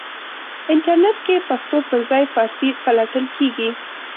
انټرنېټ کې پښتو پرځای فارسی پلټل کېږي.